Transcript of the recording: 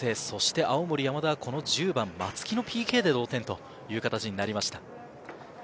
そして青森山田は、この１０番・松木のＰＫで同点という形になりました。